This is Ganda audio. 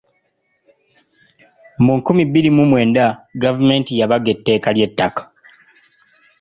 Mu nkumi bbiri mu mwenda gavumenti yabaga etteeka ly’ettaka (draft land policy).